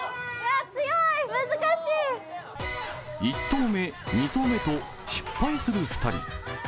１投目、２投目と失敗する２人。